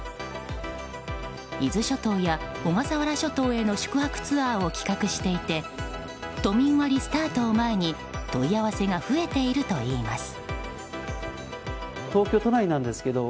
伊豆諸島や小笠原諸島への宿泊ツアーを企画していて都民割スタートを前に問い合わせが増えているといいます。